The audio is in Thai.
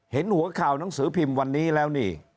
เห็นหัวข่าวหนังสือพิมพ์วันนี้แล้วนี่